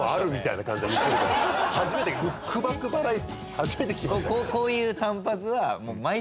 初めて聞きました。